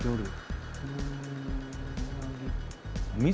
うん。